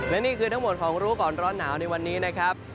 และนี่คือทั้งหมดของรู้ก่อนร้อนหนาวในวันนี้นะครับ